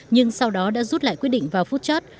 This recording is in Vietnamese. nhưng sau đó đã rút lại quyết định vào phút chót